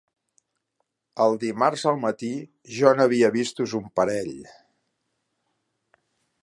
El dimarts al matí jo n'havia vistos un parell